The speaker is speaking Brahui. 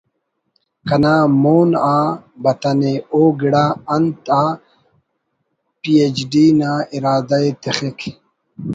کنا مون آ بتنے او گڑا انت آ پی ایچ ڈی نا ارادہ ءِ تخک